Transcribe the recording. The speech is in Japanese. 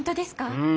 うん。